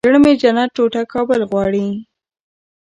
زړه مې جنت ټوټه کابل غواړي